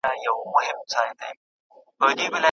انټرنیټ د هر ډول زده کوونکي لپاره ګټور دی.